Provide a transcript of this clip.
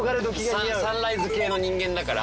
サンライズ系の人間だからさ。